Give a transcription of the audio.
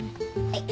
はい。